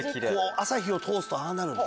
朝日を通すとああなる。